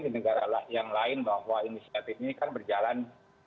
di negara yang lain bahwa inisiatif ini kan berjalan